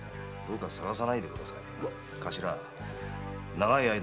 「どうか捜さないでください」